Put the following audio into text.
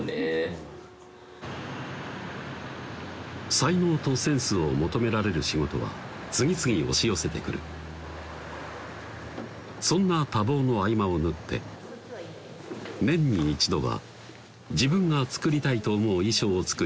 才能とセンスを求められる仕事は次々押し寄せてくるそんな多忙の合間を縫って年に一度は自分が作りたいと思う衣装を作り